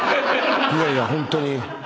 いやいやホントに。